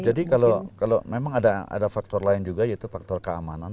jadi kalau memang ada faktor lain juga yaitu faktor keamanan